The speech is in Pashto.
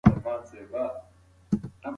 دوستان پیدا کړئ.